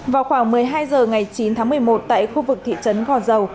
vào khoảng một mươi hai h ngày chín tháng một mươi một tại khu vực thị trấn gò dầu